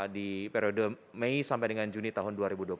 di periode mei sampai dengan juni tahun dua ribu dua puluh satu